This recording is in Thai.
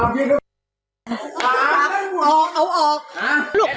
เกมอย่าใกล้